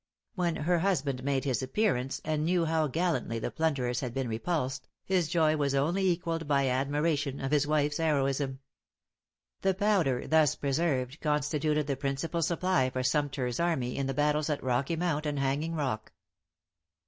When her husband made his appearance, and knew how gallantly the plunderers had been repulsed, his joy was only equalled by admiration of his wife's heroism. The powder thus preserved constituted the principal supply for Sumter's army in the battles at Rocky Mount and Hanging Rock.